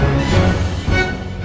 ya udah mbak